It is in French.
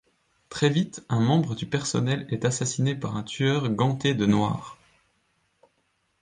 Très vite, un membre du personnel est assassiné par un tueur ganté de noir.